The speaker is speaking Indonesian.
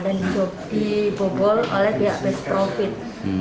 dan dibobol oleh pihak best profit